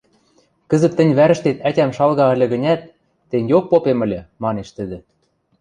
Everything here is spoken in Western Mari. Кӹзӹт тӹнь вӓрӹштет ӓтям шалга ыльы гӹнят, тенгеок попем ыльы, — манеш тӹдӹ.